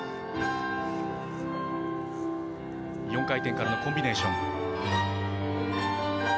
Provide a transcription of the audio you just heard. ４回転からのコンビネーション。